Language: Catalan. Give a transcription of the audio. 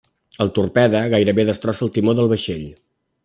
El torpede gairebé destrossa el timó del vaixell.